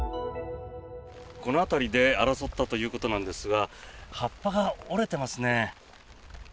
この辺りで争ったということなんですが葉っぱが折れてますね。